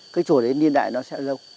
cái chùa đấy niên đại nó sẽ lâu